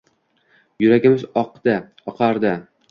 Yuragimiz oqdi – oqardi